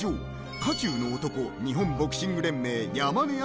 渦中の男、日本ボクシング連盟・山根明